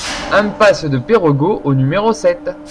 Impasse de Perregaux au numéro sept